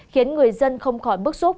khiến người dân không khỏi bức xúc